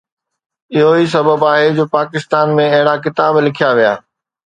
اهو ئي سبب آهي جو پاڪستان ۾ اهڙا ڪتاب لکيا ويا.